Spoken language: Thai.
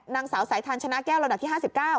นางสาวสายทานชนะแก้วลำดับที่๕๙